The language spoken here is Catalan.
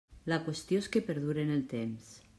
La qüestió és que perdure en el temps.